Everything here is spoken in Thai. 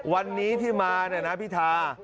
วันนี้ที่มาเนี่ยนะพิธา